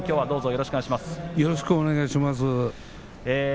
よろしくお願いします。